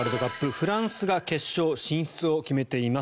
フランスが決勝進出を決めています。